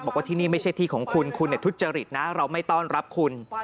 บอกว่าที่นี่ไม่ใช่ที่ของคุณคุณทุจริตนะเราไม่ต้อนรับคุณ